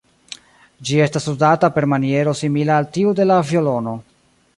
Ĝi estas ludata per maniero simila al tiu de la violono.